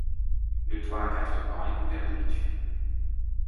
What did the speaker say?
Le toit à quatre pans est couvert de bitume.